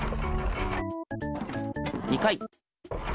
２回。